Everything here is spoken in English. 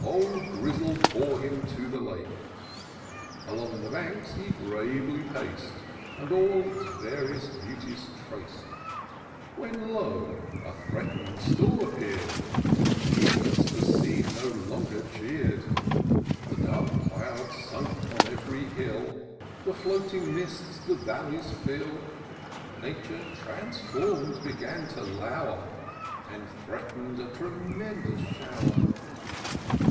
Old Grizzle bore him to the Lake ; Along the banks he gravely pac'd. And all its various beauties trac'd ; When, lo, a. threat'ning storm appear d ! Phoebus the scene no. longer cheer'd; The dark clouds sank on ev'ry hill ; The floiating mists the valleys fill : Nature, transform'd, began to low'r. And threateh'd a tremendous show'r.